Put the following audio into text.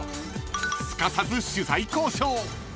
［すかさず取材交渉］